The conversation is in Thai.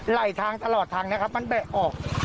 ไหลทางตลอดทางมันแบะออก